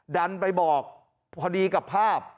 ดันไปบอกพอดีกับภาพ